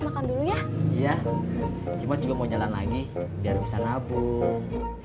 makanya iya cuma juga mau jalan lagi biar bisa nabung